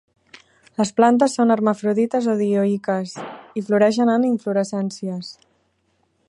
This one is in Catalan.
Les plantes són hermafrodites o dioiques i floreixen en inflorescències.